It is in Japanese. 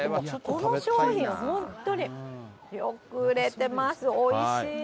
この商品本当によく売れてます。